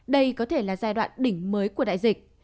đây có thể là giai đoạn đỉnh mới của đại dịch